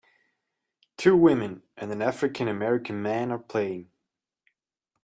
Two women and an african american man are playing.